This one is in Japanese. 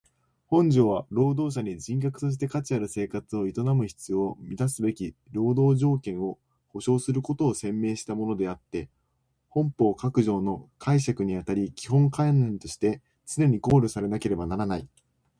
本条は労働者に人格として価値ある生活を営む必要を充すべき労働条件を保障することを宣明したものであつて本法各条の解釈にあたり基本観念として常に考慮されなければならない。